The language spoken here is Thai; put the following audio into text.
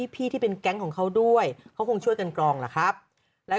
ที่เป็นแก๊งของเขาด้วยเขาคงช่วยกันกรองล่ะครับแล้ว